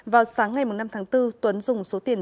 vào sáng ngày năm tháng bốn tuấn dùng số tiền